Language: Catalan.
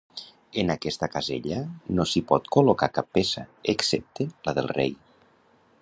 En aquesta casella no s'hi pot col·locar cap peça, excepte la del rei.